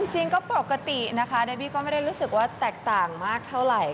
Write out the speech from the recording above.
จริงก็ปกตินะคะเดบี้ก็ไม่ได้รู้สึกว่าแตกต่างมากเท่าไหร่